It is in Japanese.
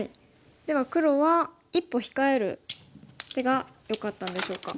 では黒は一歩控える手がよかったんでしょうか。